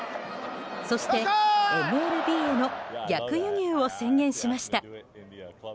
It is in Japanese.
そしてＭＬＢへの逆輸入を宣言しました。